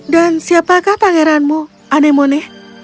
dan siapakah pangeranmu anemone